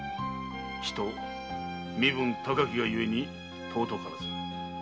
人身分高きがゆえに尊からず。